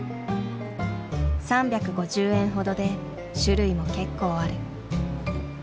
３５０円ほどで種類も結構ある。